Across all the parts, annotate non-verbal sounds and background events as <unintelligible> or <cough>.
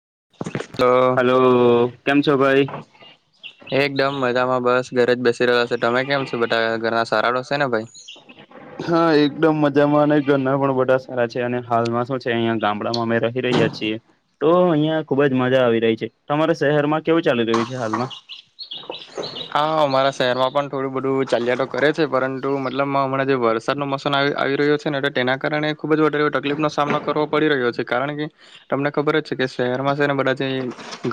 <inaudible> Hello કેમ છોભાઈ એકદમ મજામાં બસ ઘરે જ બેસી રહ્યો છો તમે કેમ છો ઘરના સારાડોશે ને ભાઈ હા એકદમ મજામાં અને ગરના પણ બધા સારા છે અને હાલમાં શું છે અહિયાં ગામ માં અમે રહી રહ્યા છીએ તો અહિયાં ખુબ જ મજા આવી રહી છે તમારા શહેરમાં કેવું ચાલી રહ્યું છે હાલમાં હા અમારા શહેરમાં પણ થોડું બધું ચાલિયા તો કરે છે પરંતુ મતલબ હમણા જે વરસાદ ન મોસમ આવ આવી રહ્યો છે ને તેના કારણે ખુબ જ વધારે તકલીફ નો સામનો કરવો પડી રહ્યો છે કારણ કે તમને ખબર કે શહેરમાં છે ને બધા જે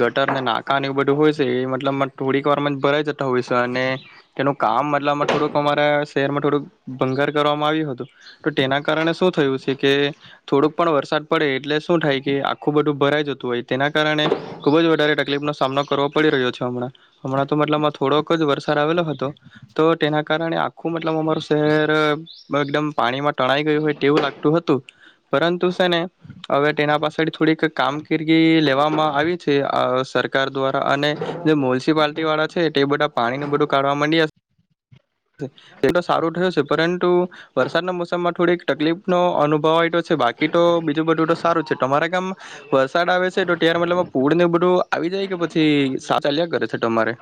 ગટર ને નાકા એું બધું હોય છે એ મતલબમાં થોડીક વાર માં જ ભરાય હોય છે અને તેનું કામ મતલમાં થોડુંક અમારા શહેરમાં થોડુંક ભંગર કરવામાં આવ્યું હતું તો તેના કારણે શું થયું છે કે થોડુંક પણ વરસાદ પડે એટલે શું થાય કે આખું બધું ભરાઈ જતું હોય તેના કારણે ખુબ જ વધારે તકલીફ નો સામનો કરવો પડી રહ્યો છે હમણાં હમણાં તો મતબ થોડોક જ વરસાદ આવેલો હતો તો તેના કારણે આખું મતલબ અમારું શહેર એકદમ પાણીમાં ટણાઈ ગયું હોય તેવું લાગતું હતું પરંતુ છે ને હવે તેના પાસેળ થોડીક કામગીરી લેવામાં આવી છે સરકાર દ્વારા અને જે મ્યુનિસિપાલિટી વાળા છે તે બધા પાણી ન બધું કાઢવા માંડડીશે એ તો સારું થયું છે પરંતુ વરસાદના મોસમમાં થોડીક તકલીફ નો અનુભવ હોય બાકી તો બીજું બધું તો સારું છે તમારે ગામ વરસાદ આવે છે તો ત્યારે મતલબ પુરું બધું આવી જાય કે પછી સા ચાલ્યા કરે છે તમારે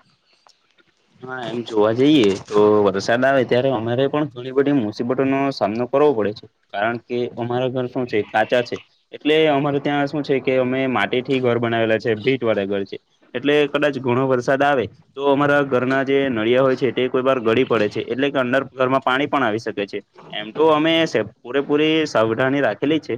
હા એમ જોવા જઈએ તો વરસાદ આવે ત્યારે અમારે પણ ઘણી બધી મુસીબતો નો સામનો કરવો પડે છે કારણ કે અમારા ઘર શું છે કાચા છે એટલે અમાર ત્યાં શું છે કે અમે માટી થી ઘર બનાવેલા છે ભીટ વાળા ઘર છે એટલે કદાચ ઘણો વરસાદ આવે તો અમારા ઘરના જે નળિયા હોય છે તે કોઈ વાર ગળી પડે છે એટલે કે અંદર ઘરમાં પાણી પણ આવી શકે છે એમ તો અમે પૂરેપૂરી સાવધાની રાખેલી છે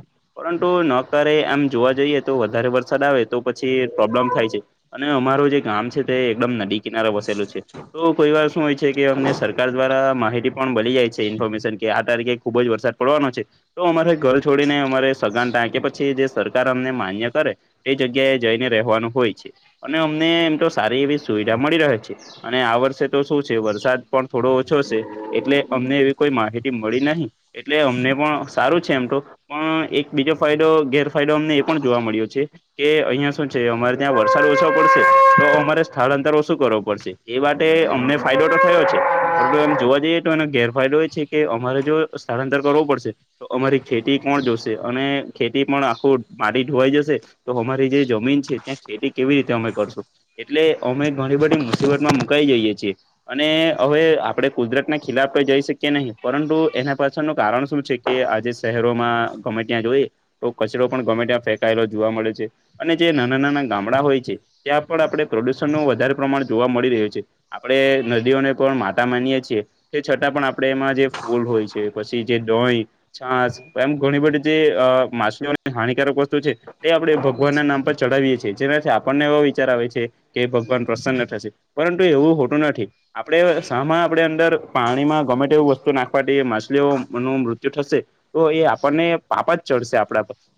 નકારે આમ જોવા જઈએ તો વધારે વરસાદ આવે તો પછી પ્રોબ્લેમ થાય છે અને અમારો ગામ છે તે એકદમ નદી કિનારો વસેલું છે તો કોઈ વાર શું હોય છે કે અમને સરકાર દ્વારા માહિતી પણ મળી જાય છે ઇન્ફોર્મેશન કે આ તારીેખે ખુબ જ વરસાદ પડવાનો છે તો અમારે ઘર છોડીને અમા ટાકે પછી જે સરકાર અમને માન્ય કરે એ જગ્યાએ જઈને રહેવાનું હોય છે અને અમને એમ તો સારી એવી સુવિધા મળી રહે છે અને આ વર્ષે તો શું છે વરસાદ પણ થોડો ઓછો છે એટલે અમને એવી કોઈ માહિતી મળી નહીિ એટલે અમને પણ સારું છે એમ તો પણ એક બીજો ફાયદો ગેરફાયદો અમને એ પણ જોવા મળ્યો છે કે અહિયાં શું છે અમારે ત્યાં વરસાદ ઓછો પડશે તો અમારે સ્થળાંતર ઓછું કરવું પડશે એ માટે અમને ફાયદો તો થયો છે પરંતુ એમ જોવા જઈએ તો એનો ગેરફાયદો એ છે કે અમારે જો સ્થળાંતર કરવું પડશે તો અમારી ખેતી કોણ જોશે અને ખેતી પણ આખું માટી ધોવાઈ જશે તો અમારી જે જમીન છે ત્યાં ખેતી કેવી રીતે અમે કરશું એટલે અમે ઘણી બધી મુશ્લી મુકાઈ જઈએ છીએ અને હવે આપડણે કુદરત ના ખિલાફ તો જઈ શકીએ નહીં પરંતુ એના પાછળનું કારણ શું છે કે આજે શહેરોમાં ગમે ત્યાં જોઈએ તો કચરો પણ ગમે ત્યાં ફેંકાયેલો જોવા મળે છે અને જે નાના નાના ગામડા હોય છે ત્યાં આપણે પ્રદુષણનું વધારે પ્રમાણ જોવા મળી રહ્યું છે આપણે નદીઓને પણ માતા માનીએ છીએ તે છતાં પણ આપણે એમાં જે ફૂલ હોય છે પછી જે ડોય છાસ એમ ઘણી બધી જે માછલીઓને હાનિકારક વસ્તુ છે એ આપણે ભગવાનના નામ પર ચઢાવીએે છે જેનાથી આપણને એવા વિચાર આવે છે કે ભગવાન પ્રસન્ન થશે પરંતુ એવું હોતું નથી આપણે શામાં આપણે અંદર પાણીમાં ગમે તેવું વસ્તુ નાખવા માછલીઓનું મૃત્યુ થશે તો એ આપણને પાપ જ ચડશે આપ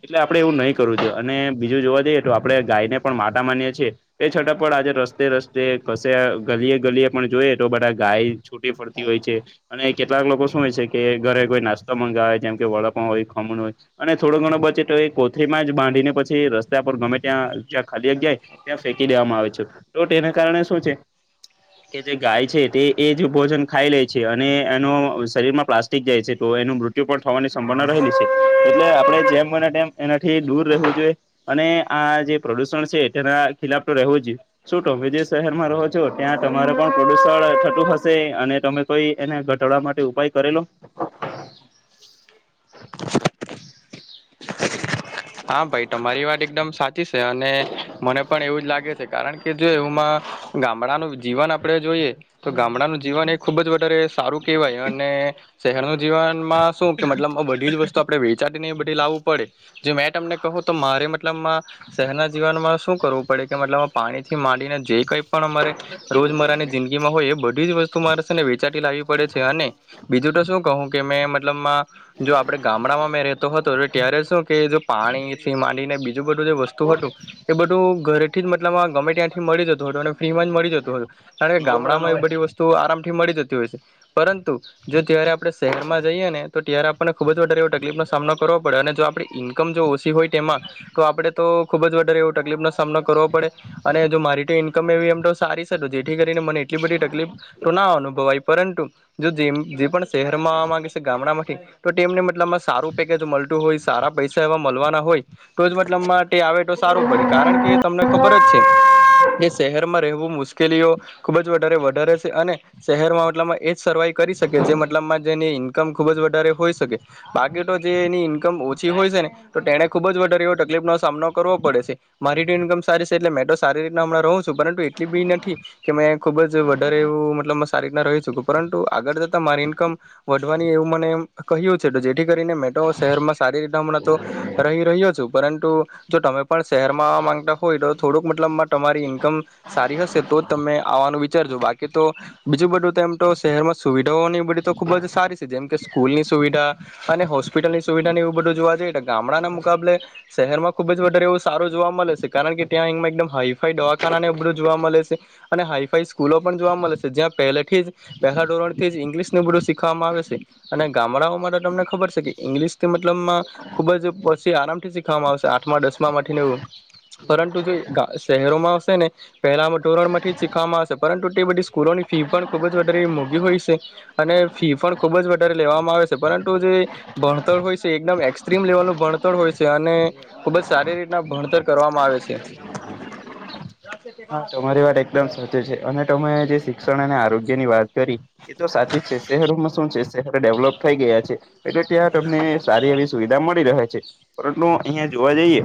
એટલે આપે એવું નહીં કરવું અને બીજું જોવા જઈએ તો આપડે ગાયને પણ માતા માનીએ છીએ તે છતાં પણ આજે રસ્તે રસ્તે કશે ગલીય ગલીએ પણ જોઈએ તો બધા ગાય છૂટી પડતી હોય છે અને કેટલાક લોકો હોય છે કે ઘરે કોઈ નાસ્તા મંગાવે જેમ કે વડાપાવ હોય ખમણ હોય અને થોડો ગણો બચે તો એ કોથરી માંજ બાંધીને પછી રસ્તા પર ગમે ત્યાં જ્યાં ખાલી જગ્યા હોય ત્યાં ફેંકી દેવામાં આવે છે તો તેને કારણે શું છે કે જે ગાય છે તે એજ ભોજન ખાઈ લે છે અને એનો શરીરમાં પ્લાસ્ટિક જાય છે તો એનું મૃત્યુ પણ થવાની સંભાવના રહેલી છે એ આપણે જેમ તેમ એનાથી દૂર રહેવું જોઈએ અને આ જે પ્રદુષણ છે તેના ખિલાફ રહેવું જે શું તમે જે શહેરમાં રહો છો ત્યાં તમારે પણ પ્રદૂષણ થતું હશે અને તમે કોઈ એને ઘટાડવા માટે ઉપાય કરેલો હા ભાઈ તમારી વાત એકદમ સાચી છે અને મને પણ એવું જ લાગે છે કારણ કે જો એવુંમાં ગામડાનું જીવન આપડે જોઈએ તો ગામડાનું જીવન એ ખુબ જ વધારે સારું કેહેવાય અને શહેરનું જીવનમાં શું કે મતલબ બધી જ વસ્તુ આપણે વેચાતીને બધી લાવવું પડે મે તમને કહું તો મારે મતલબમાં શહેરના જીવનમાં શું કરવું પડે કે મતલબ પાણીથી માંડીને જે કઈ પણ અમારે રોજમરાની જિંદગીમાં હોય એ બધી જ વસ્તુ મારે છે ને વેચાતી લાવી પડે છે અને બીજું તો શું કહું કે મે મતલબમાં જો આપડે ગામડામાં મેં રેતો હતો ત્યારે શું કે જો પાણી થી માંડીને બીજું બધું જે વસ્તુ હતું એ બધું ઘરેથી જ એટલામાં ગમે ત્યાંથી મળી જતું હતું અને ફ્રી માં જ મળી જતું હતું કારણ કે ગામડામાં એ બધી વસ્તુ આરામ થી મળી જતી હોય છે પરંતુ જો જ્યારે આપણે શહેરમાં જઈએ ને તો ત્યારે આપણને ખુબ જ વધારે એવો તકલીફનો સામનો કરવો પડે અને જો આપ ઈનકમ ઓછી હોય તેમાં તો આપણે તો ખુબ જ વધારે એવો તકલીફનો સામનો કરવો પડે અને જો મારી તો ઈનકમ એવી એમ તો સારી છે જેથી કરીને મને એટલી બધી તકલીફ તો ના આવવાનું પરંતુ જો જે પણ શહેરમા આવા માંગે છે ગામડામાંથી તો તેમને મતલબમાં સારું પેકેજ મળતું હોય સારા પૈસા એવા મળવાના હોય તો જ મતલબ આવે તો સારું પડે કારણ કે તમને ખબર જ છે કે શહેરમાં રહેવું મુશ્કેલીઓ ખુબ જ વધારે વધારે છે અને શહેરમાં મતલબ એજ સર્વાઈવ કરી શકે જે મતલબ જેની ઈનકમ ખુબ વધારે હોય શકે બાકી તો જે એની ઈનકમ છી હોય છે ને તો તેને ખુબ જ વધારે એવો તકલીફ નો સામનો કરવો પડે છે મારી ઇન્કમ સારી છે એટલે મેં તો સારી રીતના હમણાં રહું છું પરંતુ એટલી બી નથી કે મેં ખુબ જ વધારે એવું મતલબ સારી રીતના રહી શકું પરંતુ આગળ જતા મારી ઈન્કમ વધવાની એવું મને કહ્યું છે તો જેથી કરીને મેતો શહેરમાં સારી રીતે હમણાં તો રહી રહ્યો છું પરંતુ જો તમે પણ શહેરમાં આવા માંગતા હોય તો થોડુંક મત માત્રામાં તમારી ઈનકમ સારી હશે તો જ તમે આવાનું વિચારજો બાકી તો બીજું બધુંમ તો શહેરમાં સુવિધાઓને એ બધી તો ખુબ જ સારી છે જેમ કે સ્કૂલની સુવિધા અને હોસ્પિટલની સુવિધાની બધું જોવા જઈએ તો ગામડાના મુકાબલે શહેરમાં ખુબ જ વધારે એવું સારું જોવા મળે છે કારણ કે ત્યાં <unintelligible> એકદમ હાઈફાઈ દવાખાનાને એવું બધું જોવા મલે છે અને હાઈફાઈ સ્કૂલો પણ જોવા મળે છે જ્યાં પહેલેથી જ <unintelligible> ધોરણથી જ ઇંગ્લિશને બધું શીખવામાં આવે છે અને ગામડાઓમાં તો તમને ખબર છે કે ઇંગ્લિશ તેમ લમાં ખુબ જ પછી આરામથી શીખવામાં આવશે આઠમા દસમામાંથીને એવું પરંતુ જો શહેરોમાં આવશેને પહેલામાં ધોરણમાંથી જ શીખવામાં આવશે પરંતુ બધી સ્કૂલોની ફી પણ ખૂબ જ વધારે મોઘી હોય છે અને ફી પણ ખૂબ જ વધારે લેવામાં આવે છે પરંતુ જે ભણતર હોય છે એકદમ એક્સ્ટ્રીમ લેવલ નું ભણતર હોય છે અને ખુબ જ સારી રીતના ભણતર કરવામાં આવે છે હા તમારી વાત એકદમ સાચી છે અને તમે જે શિક્ષણ અને આરોગ્યની વાત કરી એ તો સાચી જ છે શહેરોમાં શું છે શહેર ડેવલોપ થઈ ગયા છે એટલે ત્યાં તમને સારી. એવી સુવિધા મળી રહે છે. પરંતુ અહિયાં જોવા જઈએ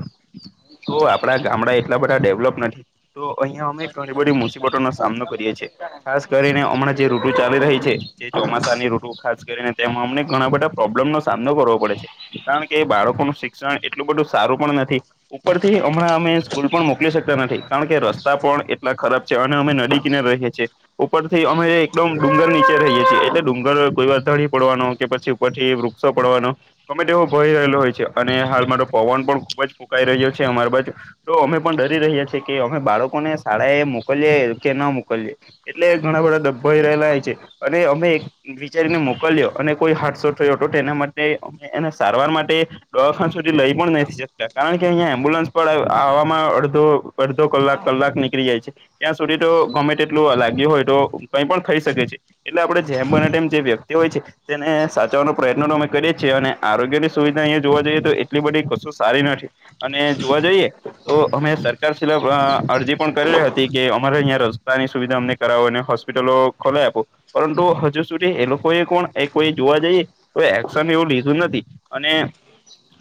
તો આપડા ગામડા એટલા બધા ડેવલોપ નથી. તો અહિયાયા અમે ઘણી બધી મુસીબતોનો સામનો કરીએ છીએ ખાસ કરીને હમણાં જે ઋતુ ચાલી રહી છે. જે ચોમાસાની ઋટુ ખાસ કરીને તેમાં અમને ઘણા બધા પ્રોબ્લેમનો સામનો કરવો પડે છે કારણ કે બાળકો. કો નુ શિક્ષણ. એટલું બધું સારું પણ નથી ઉપરથી હમણાં અમે સ્કૂલ પણ મોકલી શકતા નથી કારણ કે રસ્તા પણ. ખરાબ છે અને અમે નદી કિનાર રહીએ છીએ ઉપર થી અમે એકદમ ડુંગર નીચે રહી. છે એટલે ડુંગર કોઈ વાર ધળી પડવાનો કે પછી ઉપરથી વૃક્ષો પડવાનો ગમે તે એવો ભય રહેલો હોય. અને હાલ માતો પવન પણ ખુબ જ ફૂંકાઈ રહ્યો છે અમારા બાજુ તો અમે પણ ડરી રહ્યા છીએ. કે અમે બાળકોને શાળા એ મોકલીએ કે ના મોકલીએ એટલે ઘણા બધા ડબ્બાઈ રહેલા છે. અને અમે એક વિચારીને મોકલ્યો અને કોઈ હાદસો થયો હતો એના માટે એને સારવાર. માટે દવાખાન સુધી લઈ પણ નથી શકતા કારણ કે અહિયા એમ્બ્યુલન્સ આ આવામાં અડધો. અડધો કલાક કલાક નીકળી જાય છે ત્યાં સુધી તો ગમે તેટલું લાગ્યું હોય તો કઈ પણ થઈ શકે છે. એટલે આપણે જેમ બને તેમ જે વ્યક્તિ હોય છે તેને સાચવવાનો પ્રયત્ન અમે કરીએ છીએ અને આરોગ્યની. સુવિધા અઈયા જોવા જઈએ તો એટલી બધી કશું સારી નથી અને જોવા જઈએ તો અમે સર. કારશ્રીમાં પણ અરજી પણ કરી રહી હતી કે અમારે અહીંયા રસ્તાની સુવિધા અમને કરાવો અને હોસ્પિટલો ખોલે ઈ આપો પરંતુ હજુ સુધી એ લોકોએ કોણ એ કોઈ જોવા જઈએ તો એક્શન એવું લીધું નથી. અને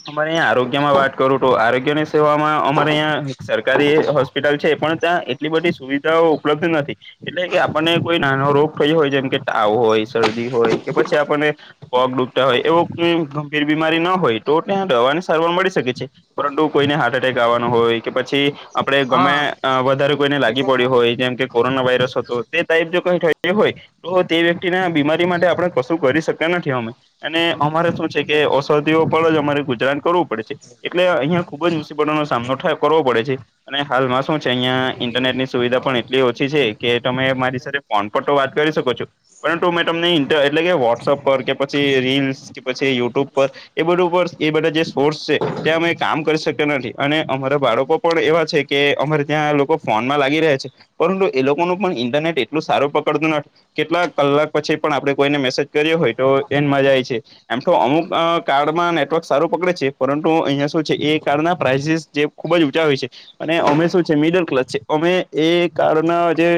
અમારે અહીંયા આરોગ્યમાં વાત કરું તો આરોગ્ય ની સેવામાં અમારે અયાં. સરકારી હોસ્પિટલ છે પણ ત્યાં એટલી બધી સુવિધાઓ ઉપલબ્ધ નથી એટલે કે આપણને કોઈ ના. નો રોગ થયો હોય જેમ કે તાવ હોય શરદી હોય કે પછી આપને પગ ડૂખતા હોય એવો. ગંભીર બીમારી ના હોય તો ત્યાં દવાની સારવાર મળી શકે છે પરંતુ કોઈને હાર્ટ એટેક આવવાનું હોય. કે પછી આપણે ગમે વધારે કોઈને લાગી પડ્યું હોય જેમ કે. કોરોના વાયરસ હતો તે ટાઈપ જો કઈ થયું હોય તો તે વ્યક્તિને બીમારી માટે આપણે કશું કરી શકી. નથી અંમે અને અમારે શું છે કે ઔષધિઓ પર જ અમારે ગુજરાન કરવું પડે છે એટલે અહિયાં. ખુબ જ મુસીબતોનો સામનો થાય. કરવો પડે છે અને હાલમાં શું છે અહિયાં ઇન્ટરનેટ ની સુવિધા પણ એટલી ઓછી છે કે તમે મારી સાથે. ફોન પર તો વાત કરી શકો છું પરંતુ મે તમને ઇન્ટર એટલે કે વોટ્સઅપ પર કે પછી રીલ્સ કે પછી. છે યુટ્યુબ પર એ બધું પર એ બધા જે સોર્સ છે ત્યાં અમે કામ કરી શક્યા નથી અને અમારા. બાળકો પણ એવા છે કે અમારે ત્યાં લોકો ફોન માં લાગી રહ્યા છે પરંતુ એ લોકોનું પણ ઇન્ટરનેટ એટલું. સારું પકડતું નથી કેટલાક કલાક પછી પણ આપણે કોઈને મેસેજ કરીએ હોય તો તેન મ જાય છે. એમઠો અમુક કાર્ડમાં નેટવર્ક સારું પકડે છે પરંતુ અહિયાં શું છે એ કાર્ડના પ્રાઇઝસ જે. ખુબ જ ઊંચા હોય છે અને અમે શું છે મિડલ ક્લાસ છે અમે એ કારના અ જે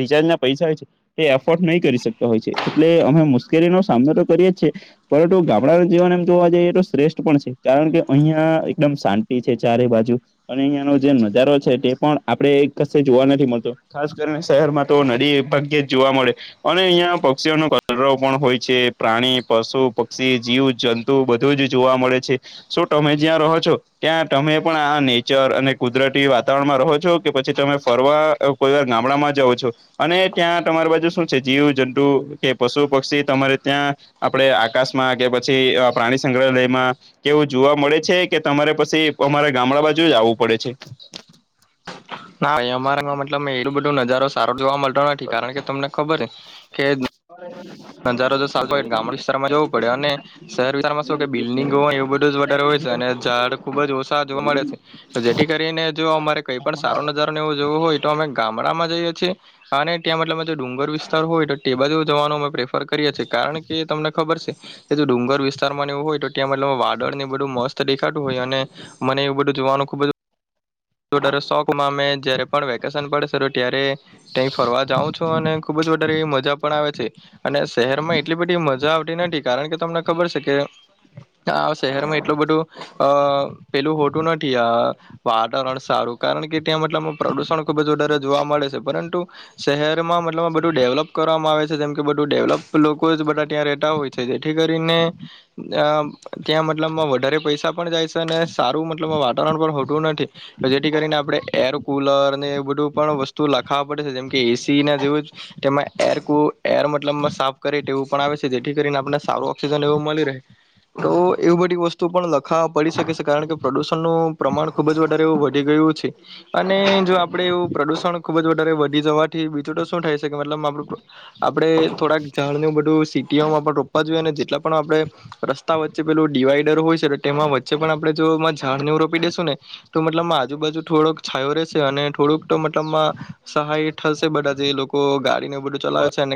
રિચા ર્જ ના પૈસા હોય છે એ એફોર્ડ નહી કરી શકતા હોય છે એટલે અમે મુશ્કેલી નો સામનો તો કરીએ છે. પરંતુ ગામડા જીવાન એમ જોવા જઈએ તો શ્રેષ્ઠ પણ છે કારણ કે અહિયાં એકદમ શાંતિ છે ચારે બાજુ. જો અિયાંનો જે નજારો છે તે પણ આપણે એ કસે જોવા નથી મળતો ખાસ કરીને શહેરમાં તો. નદી ભાગ્યે જોવા મળે અને અહિયાં પક્ષીઓનો કલરો પણ હોય છે‌. પ્રાણી પશુ. પક્ષી જીવ જંતુ બધું જ જોવા મળે છે શું તમે જ્યાં રહો છો ત્યાં તમે. પણ આ નેચર અને કુદરતી વાતાવરણમાં રહો છો કે પછી તમે ફરવા કોઈ વાર. ગામડામાં જાઓ છો અને. ત્યાં તમારી બાજુ શું છે જીવ જંતુ કે પશુ પક્ષી તમારે ત્યાં આપડે આકાશમાં કે. પછી અ પ્રાણી સંગ્રહાલયમાં કેવું જોવા મળે છે કે તમારે પછી. અમારે ગામડા બાજુ જ આવવું પડે છે. ના અહીં અમારા મતલબ મે એટલુ બધું નજારો સારો જોવા મળતો નથી કારણ કે તમને ખબર છે. કે <inaudible> નજારો તોય ગામ વિસ્તારમાં જવું પડે અને શહેર વિસ્તારમાં શું બિલ્ડિંગ હોય એવ બધુ જ વધારે હોય. અને ઝાડ ખુબ જ ઓછા જોવા મળે છે જેથી કરીને જો અમારે કઈ પણ સારો નજારો ન એવો જોવો હોય તો અમે. ગામડામાં જઈએ છીએ અને ત્યાં મતલબ ડુંગર વિસ્તાર હોય તો બાજુ જવાનો મે પ્રે કરીએ છે કારણ કે તમને ખબર છે કે જો ડુંગર વિસ્તાર માં એવો હોય તો. ત મતલબ વાદળ ને બધું મસ્ત દેખાતું હોય અને મને એવું બધું જોવાનું ખુબ જ શોકમાં અમે જયારે પણ વેકેશન પડ ત્યારે ત્યા ફરવા જાઉં છું અને ખુબ જ વધારે મજા પણ આવે છે અને શહેરમાં એટલી બધી મજા આવતી નથી કારણ કે તમને ખબર છે કે આ શહેરમાં એટલું બધું અ પેલું હોટું નથી આ વાતાવરણ સારું કારણ કે ત્યાં મતલબમાં પ્રદુષણ ખુબ જ વધારે જોવા મળે છે પરંતુ શહેરમાં મતલબ બધું ડેવલપ કરવામાં આવે છે જેમ કે ડેવલપ લોકો જ બધા ત્યાં રહેતા હોય છે જેથી કરીને અ ત્યાં મતલબમાં વધારે પૈસા પણ જાય છે અને સારું મતલબ વાતાવરણ પણ હોતું નથી તો જેથી કરીને આપણે એર કુલર એ બધું પણ વસ્તુ લખાવા પડે છે જેમ કે એસી ના જેવું તેમાં એ લમાં સાફ કરે તે એવું પણ આવે છે જેથી કરીને આપણને સારું ઓક્સિજન એવું મળી રહે તો એવું બધી વસ્તુ પણ લખવા પડી શકે છે કારણ કે પ્રદુષણનું પ્રમાણ ખુબ જ વધારે એવું વધી ગયું અને જો આપડે એવું પ્રદુષણ ખુબ જ વધારે વધી જવાથી બીજું તો શું થાય છેકે મતલબ આપડે થોડાક જાણું બધું સીટીઓમાં પણ રોપવા જોઈએ અને જેટલા પણ આપણે રસ્તા વચ્ચે પેલું ડિવાઈડર હોય તેમાં વચ્ચે પણ આપણે જોમાં છાડ નેવ રોપી દેેશું ને તો મતલબમાં આજુબાજુ થોડોક છાયો રહેશે અને થોડુંક તો મતલબમાં સહાય થશે બધા જે લોકો ગાડીને બધું ચલાવે છે